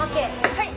はい！